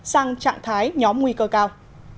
sang trạng thái nhóm nguy cơ cao